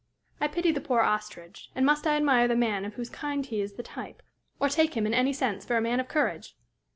I pity the poor ostrich, and must I admire the man of whose kind he is the type, or take him in any sense for a man of courage?